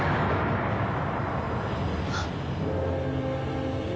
あっ。